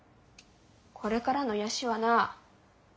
これからの癒やしはな